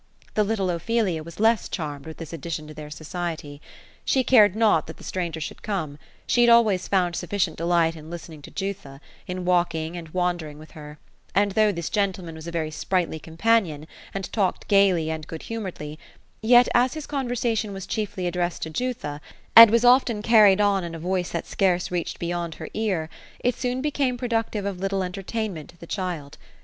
The little Ophelia was less charmed with this addition to their society. She cared not that the stranger should come ; she had always found sufficient delight in listening to Jutha, in walking and wandering with her ; and though this gentleman was a very sprightly companion, and talked gaily and good humored ly, yet as his conversation was chiefly addressed to Jutha, and was often carried on in a voice that scarce reached beyond her ear, it soon became produc tive of little entertainment to the child.